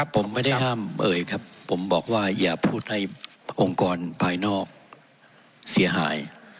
ผมไม่ได้ห้ามเอ่ยครับผมบอกว่าอย่าพูดให้องค์กรภายนอกเสียหาย